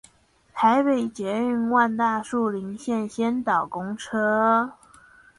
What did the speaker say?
台北捷運萬大樹林線先導公車